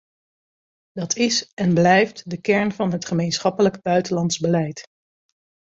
Dat is en blijft de kern van het gemeenschappelijk buitenlands beleid.